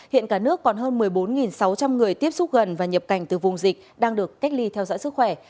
hiện cả nước còn hơn một mươi bốn sáu trăm linh người tiếp xúc gần và nhập cảnh từ vùng dịch đang được cách ly theo dõi sức khỏe